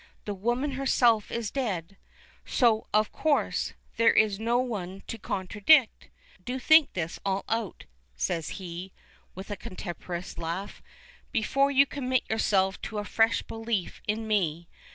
The woman herself is dead, so, of course, there is no one to contradict. Do think this all out," says he, with a contemptuous laugh, "before you commit yourself to a fresh belief in me.